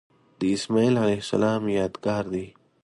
د اسمیل علیه السلام یادګار دی.